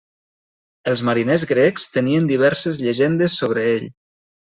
Els mariners grecs tenien diverses llegendes sobre ell.